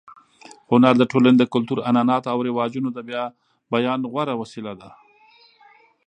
هنر د ټولنې د کلتور، عنعناتو او رواجونو د بیان غوره وسیله ده.